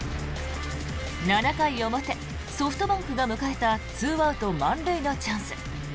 ７回表、ソフトバンクが迎えた２アウト満塁のチャンス。